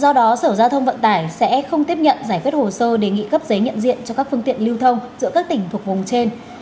do đó sở giao thông vận tải sẽ không tiếp nhận giải quyết hồ sơ đề nghị cấp giấy nhận diện cho các phương tiện lưu thông giữa các tỉnh thuộc vùng trên